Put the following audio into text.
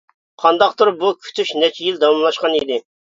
قانداقتۇر بۇ كۈتۈش نەچچە يىل داۋاملاشقان ئىدى.